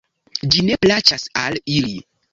Ĝi ne plaĉas al ili.